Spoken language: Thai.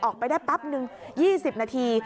ออกไปได้แป๊บนึง๒๐นาที